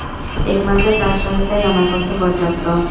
একমাত্র তাঁর সহায়তাই আমার পক্ষে পর্যাপ্ত।